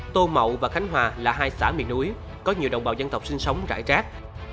tô mậu và khánh hòa là hai xã miền núi có nhiều đồng bào dân tộc sinh sống rải rác